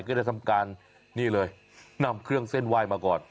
ก็ได้ทำการนี่เลยนำเครื่องเส้นไหว้มาก่อน